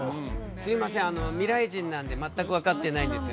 すいません未来人なんで全く分かってないんですよ。